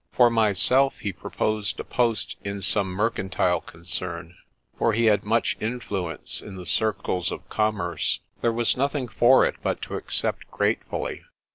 For myself he proposed a post in some mercantile concern, for he had much influence in the circles of com merce. There was nothing for it but to accept gratefully.